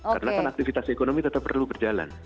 karena kan aktivitas ekonomi tetap perlu berjalan